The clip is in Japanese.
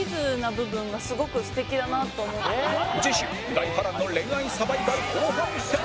次週大波乱の恋愛サバイバル後半戦